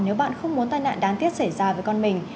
nếu bạn không muốn tai nạn đáng tiếc xảy ra với con mình